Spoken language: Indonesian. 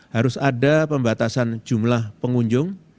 harus ada pembatasan jumlah pengunjung